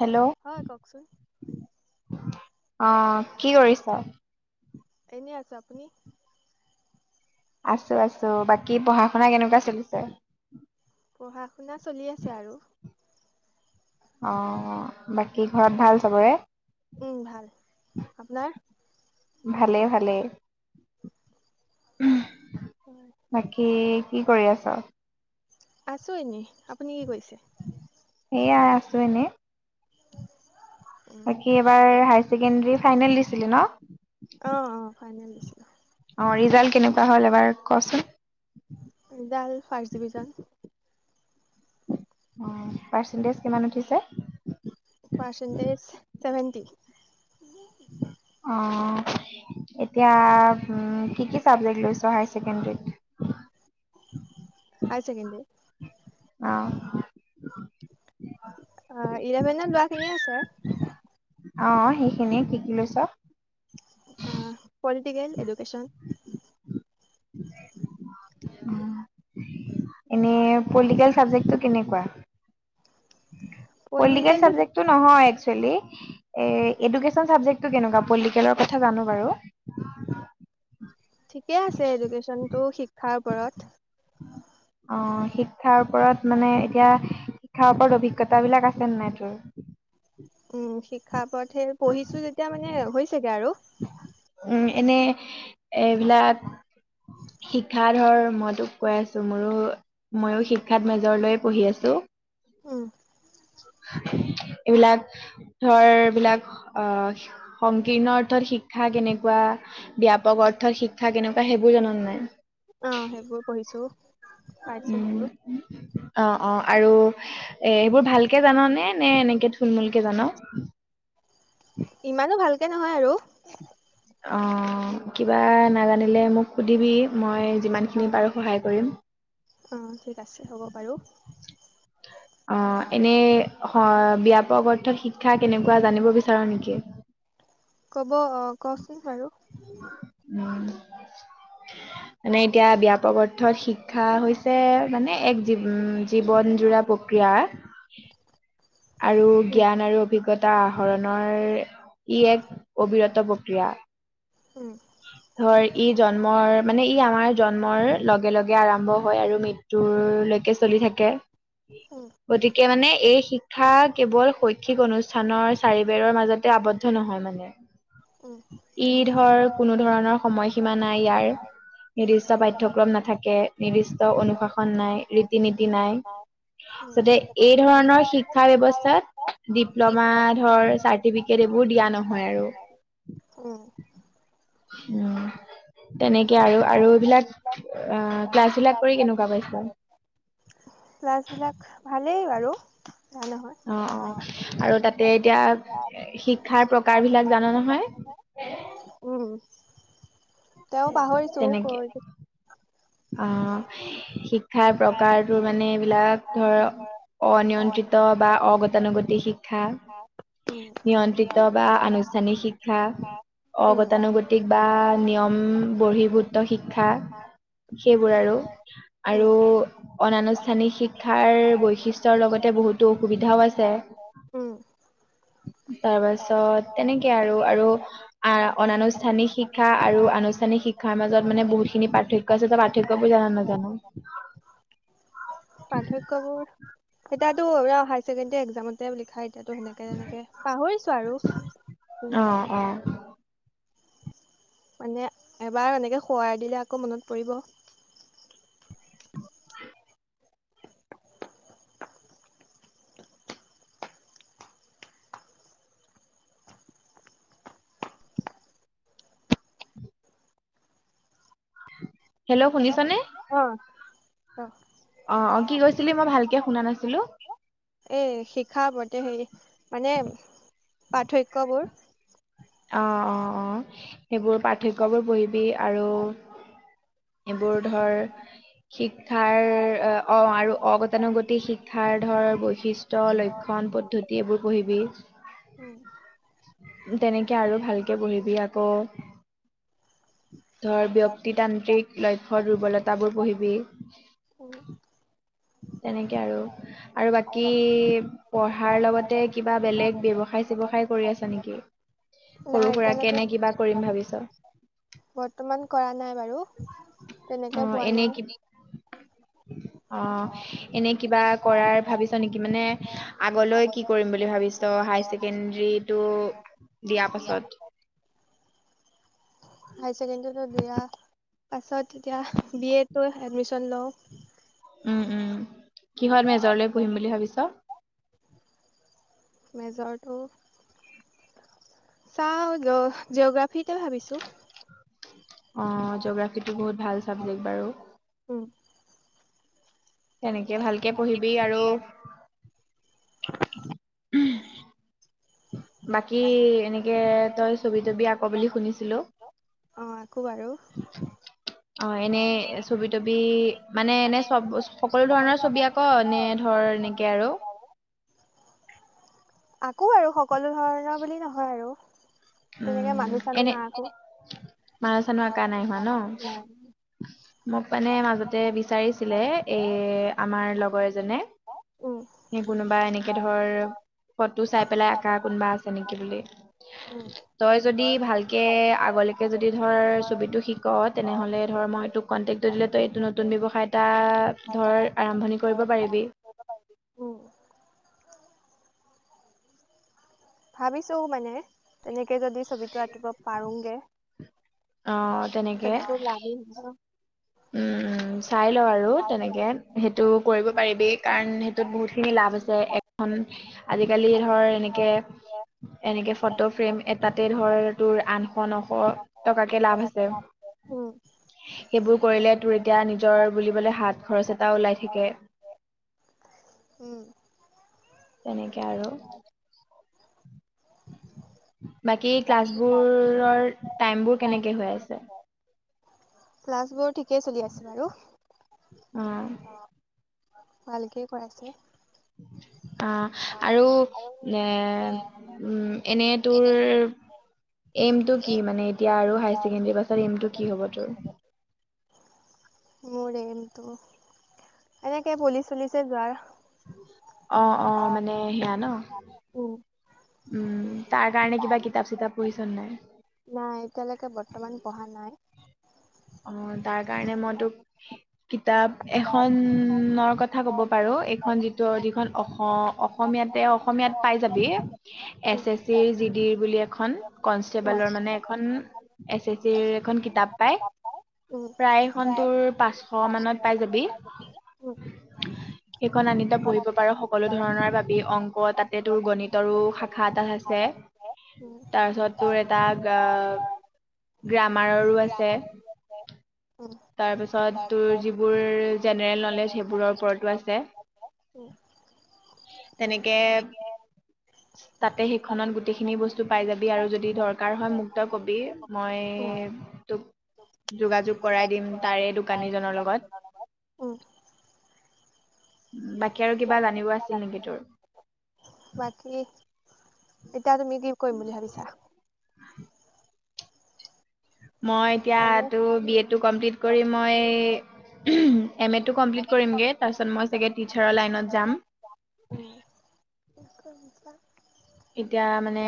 Hello আহ কি কৰিছা? এনেই আছো। আপুনি? আছো, আছো। বাকী পঢ়া শুনা কেনেকুৱা চলিছে? পঢ়া শুনা চলি আছে আৰু। কি ঘৰত ভাল চবৰে। উম, ভাল। আপোনাৰ? ভালেই, ভালেই, বাকী কি কৰি আছ। আছো এনে, আপুনি কি কৈছে? সেইয়াই আছো এনে। বাকী এবাৰ হাই ছেকেণ্ডাৰী ফাইনেল দিছিলি ন। অ' ৰিজাল্ট কেনেকুৱা হ'ল এবাৰ কচোন। Result first division. পাৰ্চেনটেজ কিমান উঠিছে। Percentage seventy. অহ' এতিয়া উম কি কি চাবজেক্ট লৈছ হাই ছেকেণ্ডৰীত। হাই ছেকেণ্ডেৰিত। অ' অ' ইলেভেনত যোৱাখিনি আছে। অ' সেইখিনিয়ে কি কি লৈছো। অ' পলিটিকেল, এডুকেছন। এনে পলিটিকেল চাবজেক্টটো কেনেকুৱা। পলিটিকেল চাবজেক্টটো নহয়। এই এডুকেছন চাবজেক্ট টো কেনেকুৱা, পলিটিকেল কথা জানো বাৰু। [unintelligible] ঠিকে আছে, এডুকেশ্যনটো শিক্ষাৰ ওপৰত। অ' শিক্ষাৰ ওপৰত মানে এতিয়া। শিক্ষাৰ ওপৰত অভিজ্ঞতা বিলাক আছে নে নাই তোৰ। উম, শিক্ষা ওপৰত। পঢ়িছো যেতিয়া মানে হৈ হৈছেগে আৰু। এইবিলাক। শিক্ষা ধৰ মইতোক কৈ আছো, মইয়ো মইয়ো শিক্ষাত মেজৰ লৈয়ে পঢ়ি আছো। উম। এইবিলাক ধৰ বিলাক আহ সংকীৰ্ণ অৰ্থ শিক্ষা কেনেকুৱা ব্যাপক অৰ্থৰ শিক্ষা কেনেকুৱা। বা সেইবোৰ জান নে নাই। উম, উ। অ' অ' আৰু এ এইবোৰ ভালকে জান নে নে এনেকে থুলমূলকে জান। [inaudible] ইমানো ভালকে নহয় আৰু। অ' কিবা নাজানিলে মোক সুধিবি মই। যিমানখিনি পাৰো সহায় কৰিম। অ' এনে অ' ব্যাপক অৰ্থত শিক্ষা কেনেকুৱা জানিব বিচাৰো নেকি? [inaudible] ক'ব অ' কচোন বাৰু। উম। মানে এতিয়া ব্যায়পক অৰ্থত শিক্ষা হৈছে মানে এক। উম, জীৱন জোৰা প্ৰক্ৰিয়া আৰু জ্ঞান আৰু অভিজ্ঞা অভিজ্ঞতা আহৰণৰ ই এক অবিৰত প্ৰক্ৰিয়া। ধৰ ই। জন্মৰ মানে ই আমাৰ জন্মৰ লগে লগে আৰম্ভ হয় আৰু মৃত্যুলৈকে চলি থাকে। গতিকে মানে এই শিক্ষা শিক্ষা কেৱল শৈক্ষিক অনুষ্ঠানৰ চাৰিবেৰৰ মাজতে আৱদ্ধ নহয় মানে। ই ধৰ কোনো ধৰণৰ সময়সীমা নাই ইয়াৰ। নিৰ্দিষ্ট পাঠ্যক্ৰম নাথাকে, নিৰ্দিষ্ট অনুশাসন নাই, ৰীতি নীতি নাই। জাতে এই ধৰণৰ শিক্ষা শিক্ষা ব্যৱস্থাত ডিপ্ল'মা ধৰ চাৰ্টিফিকেট, এইবোৰ দিয়া নহয় আৰু। উম। উম। তেনেকে আৰু আৰু এইবিলাক অ' ক্লাছ বিলাক কৰি কেনেকুৱা পাইছা। [inaudible] ক্লাছ বিলাক ভালেই বাৰু [unintelligible] আৰু তাতে এতিয়া শিক্ষাৰ প্ৰকাৰ বিলাক জানো নহয়। উম। তেওঁ পাহৰিছো কয় অ' শিক্ষাৰ প্ৰকাৰটো মানে এইবিলাকধৰ। অনিয়ন্ত্ৰিত বা অগতানুগতিক শিক্ষা। নিয়ন্ত্ৰিত বা আনুষ্ঠানিক শিক্ষা। অগতানুগতিক বা নিয়ম বৰ্হিভূত শিক্ষা। সেইবোৰ আৰু আৰু অনানুষ্ঠানিক শিক্ষাৰ বৈশিষ্ট্যৰ লগতে। বহুতো অসুবিধাও আছে। তাৰ পাছত তেনেকে আৰু আৰু অনানুষ্ঠানিক শিক্ষা আৰু আনুষ্ঠানিক। শিক্ষাৰ মাজত মানে বহুতখিনি পাৰ্থক্য। কছ ত পাৰ্থক্য বোৰ জান নে নাজন। পাৰ্থক্য বোৰ এটাটো এ হায় ছেকেণ্ডাৰী এক্সামতে লিখাই দিছে। এতিয়াতো সেনেকে তেনেকে পাহৰিছো আৰু উম, অ'। মানে এবাৰ এনেকৈ খোৱৰাই দিলে আকৌ মনত পৰিব। হেল্ল' শুনিছা নে। অ' ক অ' অ' কি কৈছিলি মই ভালকে শুনা নাছিলো। এই শিক্ষাৰ প্ৰতি হে মানে পাৰ্থক্যবোৰ। অ' অ' অ' সেইবোৰ পাৰ্থক্যবোৰ পঢ়িবি আৰু। এইবোৰ ধৰ। শিক্ষাৰ অ' আৰু অগতানুগতিক শিক্ষাৰ ধৰ বৈশিষ্ট্য। লক্ষ্যণ পদ্ধতি এইবোৰ পঢ়িবি। তেনেকে আৰু ভালকে পঢ়িবি আকৌ। ধৰ ব্যক্তিতান্ত্ৰিক লক্ষ্যৰ দুৰ্বলতাবোৰ পঢ়িবি। [inaudible] তেনেকে আৰু আৰু বাকী পঢ়াৰ লগতে কিবা বেলেগ ব্যৱসায়। ব্যৱসায় চেৱসায় কৰি আছা নেকি, সৰু সুৰাকে কেনে কিবা কৰিম ভাবিছা। বৰ্তমান কৰা নাই বাৰু তেনেকে পোৱা নাই। [unintelligible] অ' এনে কিবা কৰাৰ ভাবিছ নেকি মানে আগলৈ কি কৰিম বুলি ভাবিছ। হাই ছেকেণ্ডৰীটো দিয়াৰ পাছত। পাছত এতিয়া বি এ টো এডমিশ্যন লওঁ। উম, উম, কিহত মেজৰ লৈ পঢ়িম বুলি ভাবিছ? মেজৰটো চাওঁ জ জিঅগ্ৰাফিতে ভাবিছো। অ' জিঅ'গ্ৰাফীটো বহুত ভাল চাবজেক্ট বাৰু। তেনেকে ভালকে পঢ়িবি আৰু। উমহ। বাকী এনেকে তই ছবি তবি আকৌ বুলি শুনিছিলো। অ' আকোঁ বাৰু। অ' এনেই ছবি তবি মানে এনে চ'ব সকলো ধৰণৰ ছবি আকৌ নে ধৰ। তেনেকে আৰু। আৰু সকলো ধৰণৰ বুলি নহয় আৰু তেনেকে মানুহ চানোহ নাৰাকো। মানুহ চানোহ আঁকা নাই হোৱা ন মোক মানে মাজতে বি বিচাৰিছিলে এই আমাৰ লগৰ এজনে। কোনোবাই এনেকে ধৰ। ফটো চাই পেলাই আকা কোনোবা আছে নেকি বুলি। তই যদি ভালকে আগলৈকে যদি ধৰ ছবিটো শিক তেনে হ'লে ধৰ মই টোক কন্টেক্ট কন্তেকটো দিলে, তই এইটো নতুন ব্যৱসায় এটা ধৰ আৰম্ভণি কৰিব পাৰিবি। [inaudible] ভাবিছো মানে তেনেকে যদি ছবিটো আঁকিব পাৰোগে। সেইটো টো লাভে হ'ব। উম। উম, চাই লওঁ আৰু তেনেকে সেইটো কৰিব পাৰিবি কাৰণ সেইটোত বহুত খিনি লাভ আছে। আজিকালি ধৰ এনেকে। এনেকে ফটো ফ্ৰেম এটাতে ধৰ তোৰ আঠশ নশ টকাকে লাভ আছে। এইবোৰক কৰিলে তোৰ এতিয়া নিজৰ বুলিবলৈ হাত খৰচ এটা ওলাই থাকে। উম। তেনেকে আৰু বাকী ক্লাছবোৰৰ টাইমবোৰ কেনেকে হৈ আছে। ক্লাছ বোৰ ঠিকে চলি আছে বাৰু। উম। ভালকে কৰাইছে। অহ' আৰু এ উ এনে তোৰ। এইমটো কি মানে, এতিয়া আৰু হায়াৰ ছেকেণ্ডাৰী পাছত এইমটো কি হ'ব তোৰ? এনেকে পুলিচ-চুলিচে যোৱাৰ অ', অ', মানে সেয়া ন? উম, তাৰ কাৰণে কিবা কিতাপ চিতাপ পঢ়িছ নাই। নাই, এতিয়ালৈকে বৰ্তমান পঢ়া নাই। অ' তাৰ কাৰণে মই তোক কিতাপ এখনৰ কথা ক'ব পাৰো। এইখন যিটো, যিখন অস-অসমীয়াতে, অসমীয়াত পাই যাবি, এছ এছ চি জি ডিৰ বুলি এখন, কনষ্টেবলৰ মানে এখন এছ এছ চিৰ এখন কিতাপ পায় প্ৰায় এখন তোৰ পাঁচশ মানত পাই যাবি। সেইখন আনি তই পঢ়িব পাৰ, সকলো ধৰণৰ পাবি, অংক তাতে, তোৰ গণিতৰো শাখা এটা আছে। [inaudible] তাৰপিছত তোৰ এটা আ, গ্ৰামাৰৰো আছে। তাৰপিছত তোৰ যিবোৰ জেনেৰেল নলেজ, সেইবোৰৰ ওপৰতো আছে। তেনেকে তাতে সেইখনত গোটেইখিনি বস্তু পাই যাবি, আৰু যদি দৰকাৰ হয় মোক তই ক'বি, মই তোক যোগাযোগ কৰাই দিম তাৰে দোকানীজনৰ লগত। বাকী আৰু কিবা জানিব আছিল নেকি তোৰ? এতিয়া তুমি কি কৰিম বুলি ভাবিছা? মই এতিয়া তোৰ বি এটো কমপ্লিট কৰি মই এম এটো কমপ্লিট কৰিমগে, তাৰপিছত মই চাগে টিচাৰৰ লাইনত যাম। উম এতিয়া মানে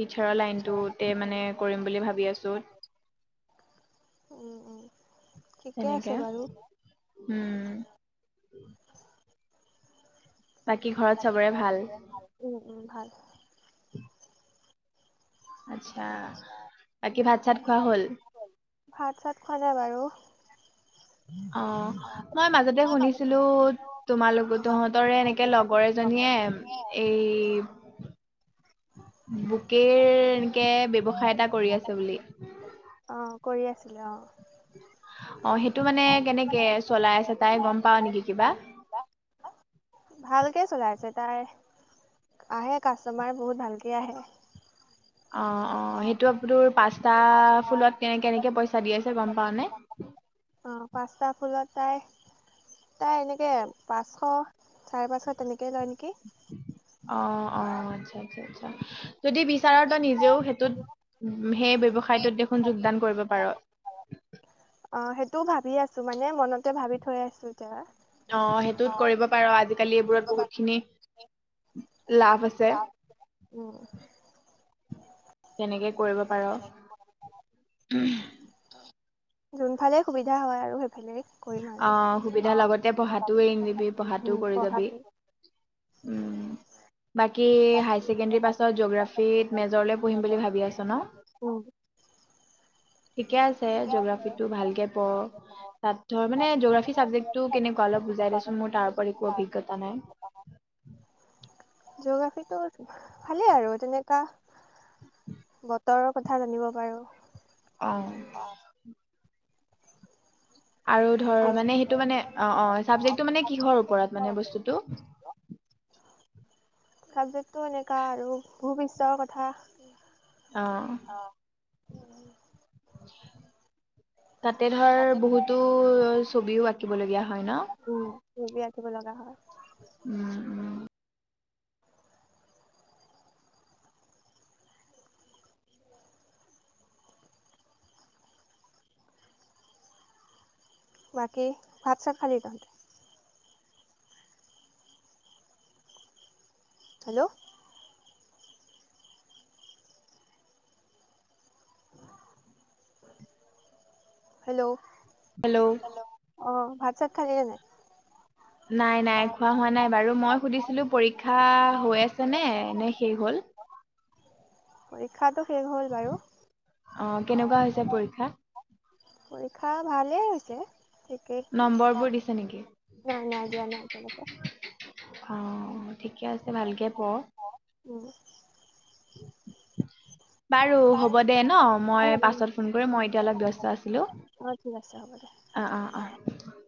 টিচাৰৰ লাইনটোতে মানে কৰিম বুলি ভাৱি আছো। [inaudible] ঠিকে আছে বাৰু। উম বাকী ঘৰত চবৰে ভাল? ভাল। আত্ছা, বাকী ভাত-চাত খোৱা হ'ল? ভাত-চাত খোৱা নাই বাৰু। অ', মই মাজতে শুনিছিলোঁ, তোমালোক-তহঁতৰে এনেকে লগৰ এজনী নীয়ে, এই বুকেৰ এনেকে ব্যৱসায় এটা কৰি আছে বুলি। অ', কৰি আছিলে অ'। অ', সেইটো মানে কেনেকে চলাই আছে তাই গম পাৱ নেকি কিবা? [inaudible] ভালকেই চলাই আছে তাই, আহে কাষ্টমাৰ বহুত ভালকে আহে। অ', অ', সেইটো তোৰ পাঁচটা ফুলত কেনে-কেনেকে পইচা দি আছে গম পাৱনে? [inaudible] তাই তাই এনেকৈ, পাঁচশ, চাৰে পাঁচশ, তেনেকেই লয় নেকি। অ', অ', আচ্ছা আচ্ছা আচ্ছা, যদি বিচাৰ তই নিজেও সেইটোত সেই ব্যৱ ব্যৱসায়টোত দেখোন যোগদান কৰিব পাৰ। অ', সেইটোও ভাৱি আছো, মানে মনতে ভাৱি থৈ আছো এতিয়া। অ', সেইটোত কৰিব পাৰ, আজিকালি এইবোৰত বহুতখিনি লাভ আছে। উম। তেনেকে কৰিব পাৰ। [inaudible] যোনফালে সুবিধা হয় আৰু। অ', সুবিধা লগতে পঢ়াটোও এৰি নিদিবি, পঢ়াটোও কৰি যাবি। উম। বাকী হাই ছেকেণ্ডেৰী পাছত জিঅ'গ্ৰাফত মেজৰলৈ পঢ়িম বুলি ভাবি আছ ন? ঠিকে আছে জিঅগ্ৰাফিটো ভালকে পঢ়। তাত ধৰ, মানে জোগ্ৰাফি চাবজে্টো কেনেকোৱা অলপ বুজাই দেচোন। মোৰ তাৰ ওপৰত একো অভিজ্ঞতা নাই। ত', ভালেই আৰু তেনেকুৱা বতৰৰ কথা জানিব পাৰোঁ। অ'। আৰু ধৰ, মানে সেইটো মানে, অ' অ' চাবজেক্টটো মানে কিহৰ ওপৰত, মানে বস্তুটো? ছাবজেক্টটো এনেকুৱা আৰু, ভূ-পৃষ্ঠৰ কথা অঁ। তাতে ধৰ বহুতো ছবিও আঁকিবলগীয়া হয় ন? চবি আঁকিব লগা হয়। বাকী ভাত চাত খালি তহঁতে? হেল্ল'? হেল্ল'? হেল্ল, অঁ, ভাত চাত খালি নে নাই? নাই, নাই খোৱা হোৱা নাই বাৰু। মই সুধিছিলো পৰীক্ষা হৈ আছে নে, নে শেষ হ'ল? পৰীক্ষাটো অ', কেনেকুৱা হৈছে পৰীক্ষা? পৰীক্ষা ভালেই হৈছে। ঠিকেই। নাই, নাই দিয়া নাই এতিয়া লৈকে। অ', ঠিকে আছে ভালকে পঢ়। বাৰু হ'ব দে ন। মই পাছত ফোন কৰিম, মই এতিয়া অলপ ব্যস্ত আছিলো। অহ, অহ, অহ।